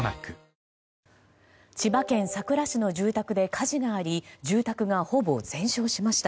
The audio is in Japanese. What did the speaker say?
千葉県佐倉市の住宅で火事があり住宅がほぼ全焼しました。